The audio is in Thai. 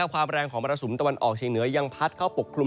ความแรงของมรสุมตะวันออกเชียงเหนือยังพัดเข้าปกคลุม